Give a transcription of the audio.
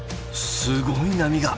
すごい波が！